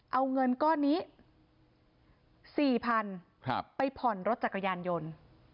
เอาเงินก้อนนี้๔๐๐๐ไปผ่อนรถจักรยานยนต์